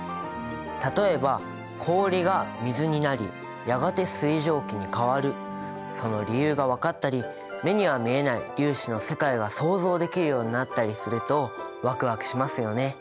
例えば氷が水になりやがて水蒸気に変わるその理由が分かったり目には見えない粒子の世界が想像できるようになったりするとワクワクしますよね。